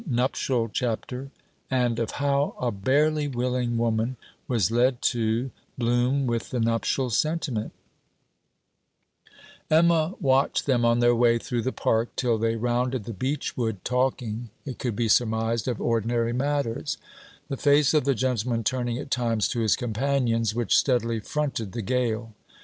NUPTIAL CHAPTER; AND OF HOW A BARELY WILLING WOMAN WAS LED TO BLOOM WITH THE NUPTIAL SENTIMENT Emma watched them on their way through the park, till they rounded the beechwood, talking, it could be surmised, of ordinary matters; the face of the gentleman turning at times to his companion's, which steadily fronted the gale.